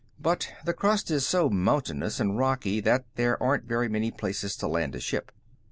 But the crust is so mountainous and rocky that there aren't very many places to land a ship.